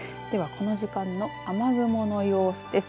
この時間の雨雲の様子です。